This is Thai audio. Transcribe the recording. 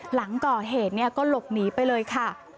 หลังก่อเหตุก็หลบหนีไปเลยค่ะ